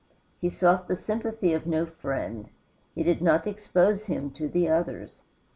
He sought the sympathy of no friend; he did not expose him to the others.